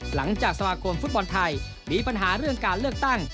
สมาคมฟุตบอลไทยมีปัญหาเรื่องการเลือกตั้ง